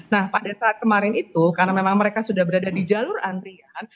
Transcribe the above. nah pada saat kemarin itu karena memang mereka sudah berada di jalur antrian